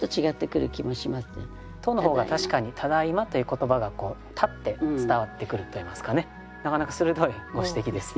「と」の方が確かに「ただいま」という言葉が立って伝わってくるといいますかねなかなか鋭いご指摘ですね。